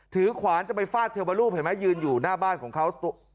ขวานจะไปฟาดเทวรูปเห็นไหมยืนอยู่หน้าบ้านของเขา